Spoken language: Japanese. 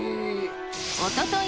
おととい